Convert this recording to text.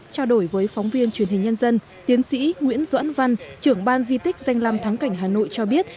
trao đổi với phóng viên truyền hình nhân dân tiến sĩ nguyễn doãn văn trưởng ban di tích danh làm thắng cảnh hà nội cho biết